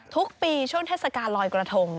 ทุกปีช่วงเทศกาลลอยกระทง